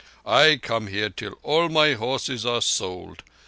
I stay here till all my horses are sold.